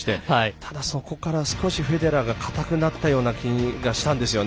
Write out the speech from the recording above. ただ、そこからフェデラーが硬くなったような気がしたんです。